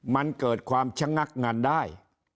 มันเกิดความชะงักงันได้